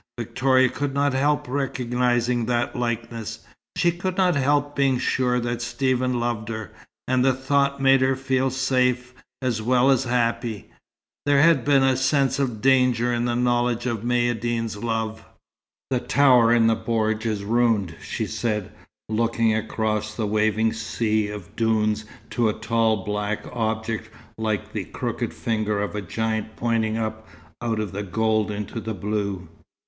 Victoria could not help recognizing that likeness. She could not help being sure that Stephen loved her, and the thought made her feel safe, as well as happy. There had been a sense of danger in the knowledge of Maïeddine's love. "The tower in the bordj is ruined," she said, looking across the waving sea of dunes to a tall black object like the crooked finger of a giant pointing up out of the gold into the blue.